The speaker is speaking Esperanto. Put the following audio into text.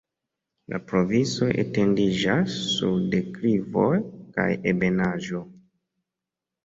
La provinco etendiĝas sur deklivoj kaj ebenaĵo.